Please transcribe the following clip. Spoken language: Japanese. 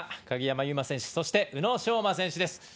鍵山優真選手そして宇野昌磨選手です。